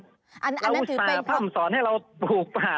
เราอุตส่าห์พร่ำสอนให้เราปลูกป่า